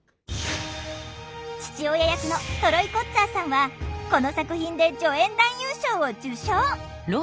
父親役のトロイ・コッツァーさんはこの作品で助演男優賞を受賞！